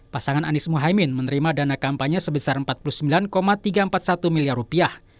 pasangan anies mohaimin menerima dana kampanye sebesar empat puluh sembilan tiga ratus empat puluh satu miliar rupiah